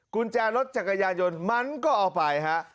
กุญแจรถจักรยานยนต์มันก็เอาไปฮะ